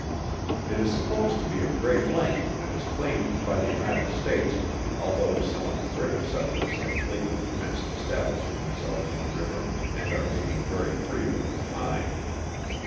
It is supposed to be of great length and is claimed by the United States, although some of the British settlers have lately commenced establishing themselves on the river and are making very free with the pine.